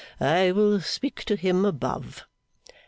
I will speak to him above.